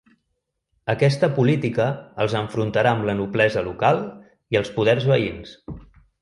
Aquesta política els enfrontarà amb la noblesa local i els poders veïns.